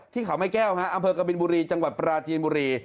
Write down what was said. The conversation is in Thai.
ที่เขาไม่แก้วฮะอำเภอกบินบุรีจังหวัดปราจีนบุรี